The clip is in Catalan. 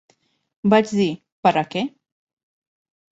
Vaig dir "Per a què?"